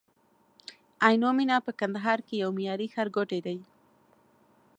عینومېنه په کندهار کي یو معیاري ښارګوټی دی